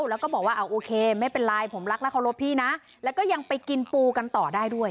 แล้วก็บอกว่าโอเคไม่เป็นไรผมรักและเคารพพี่นะแล้วก็ยังไปกินปูกันต่อได้ด้วย